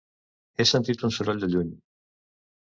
He sentit un soroll de lluny.